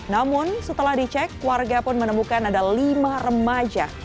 namun setelah dicek warga pun menemukan ada lima remaja